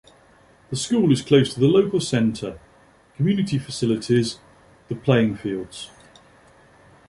The school is close to the Local Centre, Community Facilities, the playing fields.